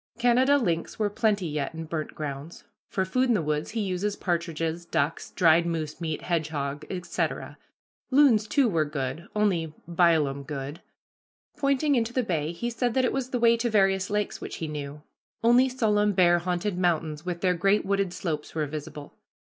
Canada lynx were plenty yet in burnt grounds. For food in the woods he uses partridges, ducks, dried moose meat, hedgehog, etc. Loons, too, were good, only "bile 'em good." Pointing into the bay he said that it was the way to various lakes which he knew. Only solemn bear haunted mountains with their great wooded slopes were visible.